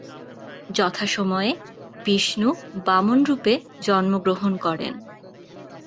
যথাসময়ে বিষ্ণু বামন রূপে জন্মগ্রহণ করেন।